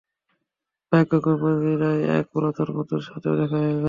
ভাগ্যক্রমে মদীনায় এক পুরাতন বন্ধুর সাথেও দেখা হয়ে যায়।